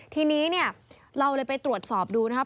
ทีนี้เนี่ยเราเลยไปตรวจสอบดูนะครับ